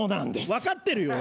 分かってるよ。